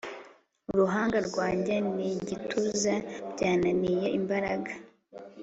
Uruhanga rwanjye nigituza byananiye imbaraga